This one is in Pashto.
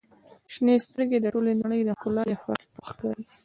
• شنې سترګې د ټولې نړۍ د ښکلا یوه حقیقت ښکاري.